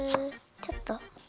ちょっと。